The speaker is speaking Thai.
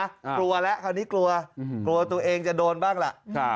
กลัวแล้วคราวนี้กลัวกลัวตัวเองจะโดนบ้างล่ะ